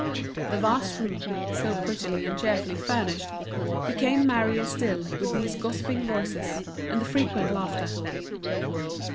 The vast room, so prettily and cheerfully furnished, became merrier still with these gossiping voices, and the frequent laughter.